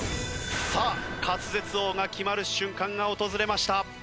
さあ滑舌王が決まる瞬間が訪れました。